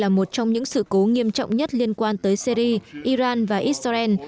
là một trong những sự cố nghiêm trọng nhất liên quan tới syri iran và israel